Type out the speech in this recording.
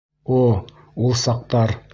— О, ул саҡтар!